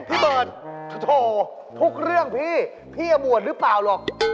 พี่เบิร์ตโถทุกเรื่องพี่พี่จะบวชหรือเปล่าหรอก